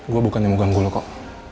gue bukan yang mau ganggu lo kok